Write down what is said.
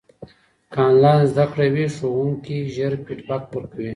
که انلاین زده کړه وي، ښوونکي ژر فیډبک ورکوي.